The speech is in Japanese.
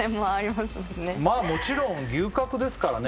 まあもちろん牛角ですからね